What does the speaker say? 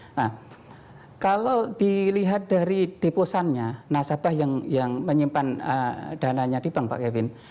nah kalau dilihat dari deposannya nasabah yang menyimpan dananya di bank pak kevin